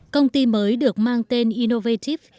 công ty mới được mang tên innovative